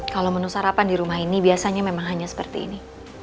kalau menu sarapan di rumah ini biasanya memang hanya seperti ini